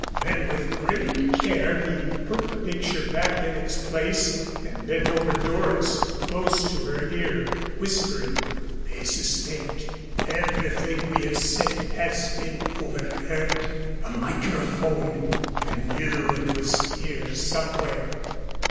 Then with great care he put the picture back in its place and bent over Doris close to her ear, whispering: "They suspect. Everything we have said has been overheard. A microphone! I knew it was here somewhere."